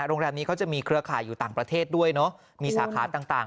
โรงแรมนี้เขาจะมีเครือข่ายอยู่ต่างประเทศด้วยเนอะมีสาขาต่าง